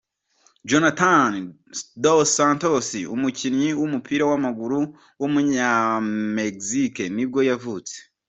Jonathan dos Santos, umukinnyi w’umupira w’amaguru w’umunyamegizike ni bwo yavutse.